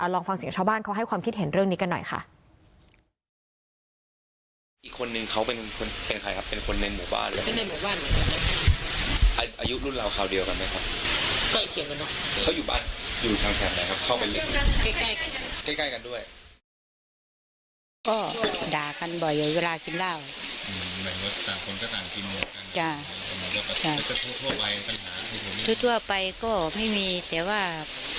ลองฟังเสียงชาวบ้านเขาให้ความคิดเห็นเรื่องนี้กันหน่อยค่ะ